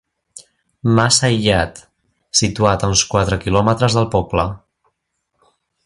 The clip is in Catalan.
Mas aïllat situat a uns quatre quilòmetres del poble.